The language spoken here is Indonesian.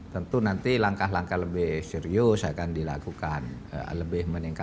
tentu nanti langkah langkah lebih serius akan dilakukan